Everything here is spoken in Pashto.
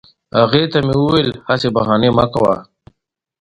هغې ته مې وویل هسي بهانې مه کوه